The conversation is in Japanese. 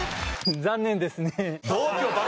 残念ですね。